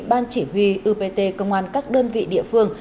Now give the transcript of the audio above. ban chỉ huy upt công an các đơn vị địa phương